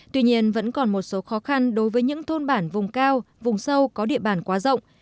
tuy nhiên vẫn còn một số khó khăn đối với những thôn bản vùng cao vùng sâu có địa bàn quá rộng